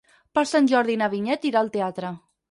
Per Sant Jordi na Vinyet irà al teatre.